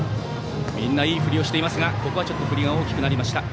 みんないい振りをしていますがここは振りが大きくなりました。